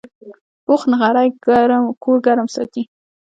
پوخ نغری کور ګرم ساتي